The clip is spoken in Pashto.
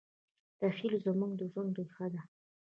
تخیل زموږ د ژوند ریښه ده.